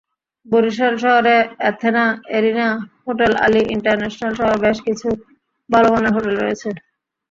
বরিশাল শহরে Athena, Arena, hotel Ali ইন্টারন্যাশনালসহ বেশ কিছু ভালোমানের হোটেল রয়েছে।